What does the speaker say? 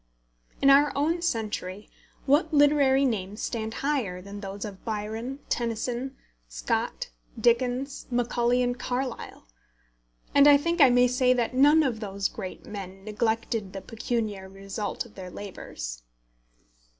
In our own century what literary names stand higher than those of Byron, Tennyson, Scott, Dickens, Macaulay, and Carlyle? And I think I may say that none of those great men neglected the pecuniary result of their labours.